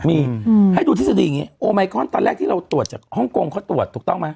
มีให้ดูทฤษฎีไง